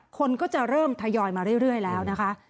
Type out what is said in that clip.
คนก็จะเริ่มทยอยมาเรื่อยแล้วนะคะ